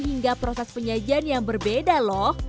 hingga proses penyajian yang berbeda loh